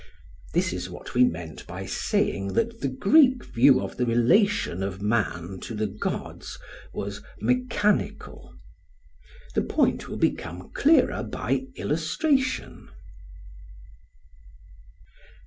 This is what we meant by saying that the Greek view of the relation of man to the gods was mechanical. The point will become clearer by illustration.